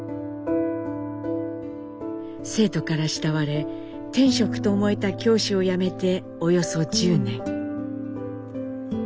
生徒から慕われ天職と思えた教師を辞めておよそ１０年。